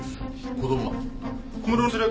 子供は？